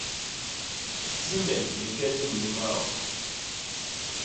Ti me like jem li maok.